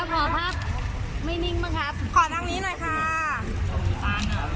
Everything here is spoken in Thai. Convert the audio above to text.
โปรดติดตามตอนต่อไป